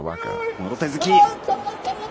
もろ手突き。